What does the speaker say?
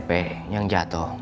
pembunuhnya yang jatuh ya